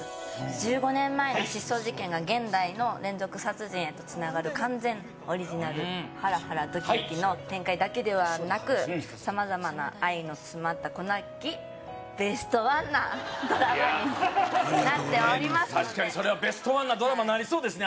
１５年前の失踪事件が現代の連続殺人へとつながる完全オリジナルハラハラドキドキの展開だけではなく様々な愛の詰まったこの秋ベストワンなドラマになっておりますので確かにそれはベストワンなドラマになりそうですね